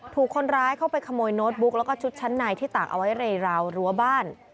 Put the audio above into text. ถูกคนร้ายเข้าไปขโมยโน้ตบุ๊กแล้วก็ชุดชั้นในที่ตากเอาไว้ในราวรั้วบ้าน